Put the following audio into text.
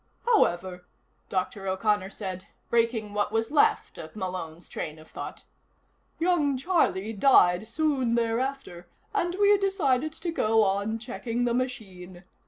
"However," Dr. O'Connor said, breaking what was left of Malone's train of thought, "young Charlie died soon thereafter, and we decided to go on checking the machine.